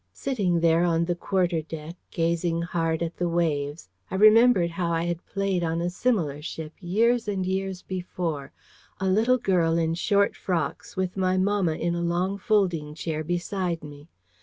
Sitting there on the quarter deck, gazing hard at the waves, I remembered how I had played on a similar ship years and years before, a little girl in short frocks, with my mamma in a long folding chair beside me.